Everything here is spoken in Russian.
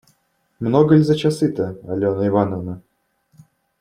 Много ль за часы-то, Алена Ивановна?